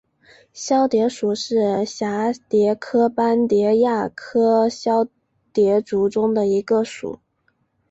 绡蝶属是蛱蝶科斑蝶亚科绡蝶族中的一个属。